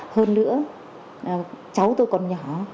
hơn nữa cháu tôi còn nhỏ